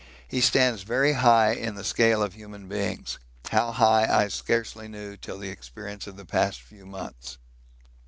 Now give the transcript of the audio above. He stands very high in the scale of human beings how high I scarcely knew till the experience of the past few months.